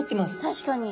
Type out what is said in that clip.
確かに。